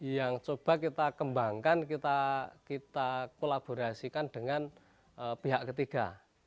yang coba kita kembangkan kita kolaborasikan dengan pihak ketiga